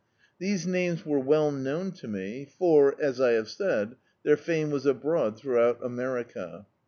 These names were well known to me, for, as I have said, their fame was abroad throu^out America.